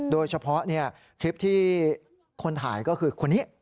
โดยเฉพาะคลิปที่คนถ่ายก็คือคนนี้